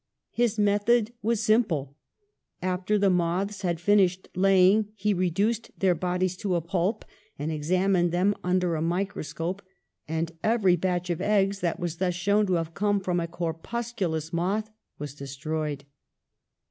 His method was sim ple. After the moths had finished laying he reduced their bodies to a pulp, and examined them under a microscope, and every batch of eggs that was thus shown to have come from a corpusculous moth was destroyed.